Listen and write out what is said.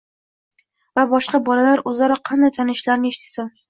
va boshqa bolalar o‘zaro qanday tanishishlarini eshitsin.